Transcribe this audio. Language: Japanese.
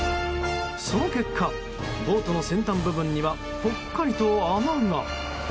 その結果、ボートの先端部分にはぽっかりと穴が。